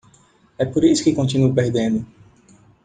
É por isso que continuo perdendo.